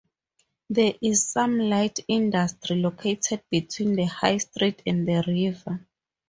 There is some light industry located between the high street and the river.